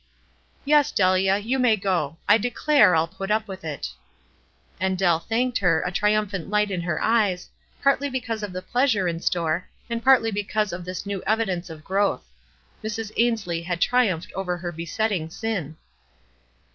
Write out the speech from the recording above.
Yes, Delia, you may go. I declare I'll put up with it." And Deli thanked her, a triumphant light in her eyes, partly because of the pleasure in store, and partly because of this new evidence of growth. Mrs. Ainslie had triumphed over her besetting sin.